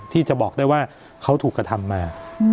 ที่จะบอกได้ว่าเขาถูกกระทำมา